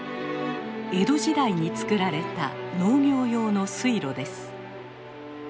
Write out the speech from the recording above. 江戸時代に造られた農業用の水路です。